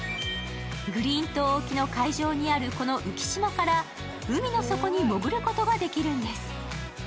グリーン島沖の海上にあるこの浮き島から海の底に潜ることができるんです。